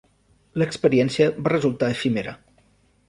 L'experiència va resultar efímera.